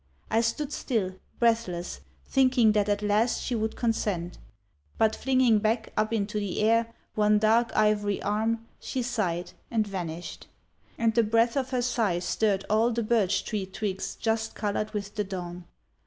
I stood still, breathless, thinking that at last she would consent; but flinging back, up into the air, one dark ivory arm, she sighed and vanished. And the breath of her sigh stirred all the birch tree twigs just coloured with the dawn.